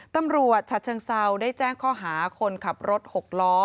ตำรวจชัตร์ชังเศร้าได้แจ้งข้อหาคนขับรถหกล้อ